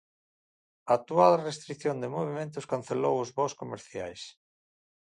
A actual restrición de movementos cancelou os voos comerciais.